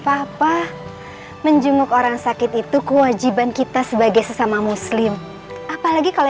papa menjenguk orang sakit itu kewajiban kita sebagai sesama muslim apalagi kalau